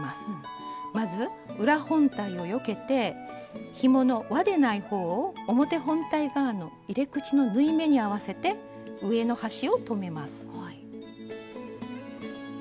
まず裏本体をよけてひものわでない方を表本体側の入れ口の縫い目に合わせて上の端を留めます。